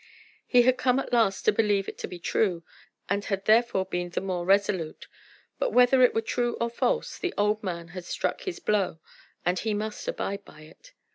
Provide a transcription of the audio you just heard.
He had come at last to believe it to be true, and had therefore been the more resolute; but, whether it were true or false, the old man had struck his blow, and he must abide by it.